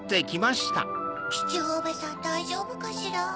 シチューおばさんだいじょうぶかしら？